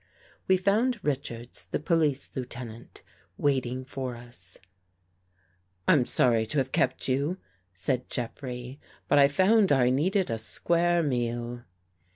We found Richards, the police lieutenant, wait ing for us. " I'm sorry to have kept you," said Jeffrey, " but I found I needed a square meal."